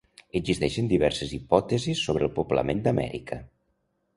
Existeixen diverses hipòtesis sobre el poblament d'Amèrica.